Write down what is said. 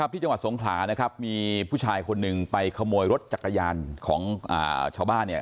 ที่จังหวัดสงขลานะครับมีผู้ชายคนหนึ่งไปขโมยรถจักรยานของชาวบ้านเนี่ย